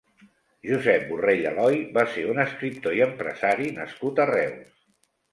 Josep Borrell Aloy va ser un escriptor i empresari nascut a Reus.